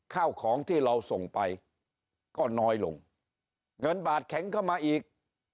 ข้าวของที่เราส่งไปก็น้อยลงเงินบาทแข็งเข้ามาอีก